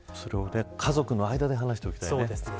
家族の間で話しておきたいですね。